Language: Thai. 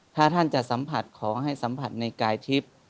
ถ้าท่านจะสัมผัสของให้สัมผัสในกายทิพย์